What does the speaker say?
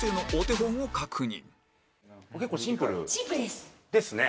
結構シンプルですね。